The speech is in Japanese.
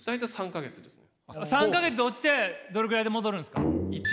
３か月で落ちてどれぐらいで戻るんですか？